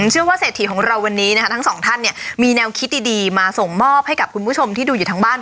เชื่อว่าเศรษฐีของเราวันนี้นะคะทั้งสองท่านมีแนวคิดดีมาส่งมอบให้กับคุณผู้ชมที่ดูอยู่ทั้งบ้าน